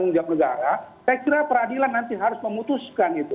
jadi kalau mereka menanggung jawab negara saya kira peradilan nanti harus memutuskan itu